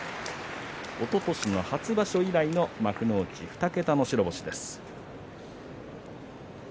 おととしの初場所以来の幕内２桁の白星です。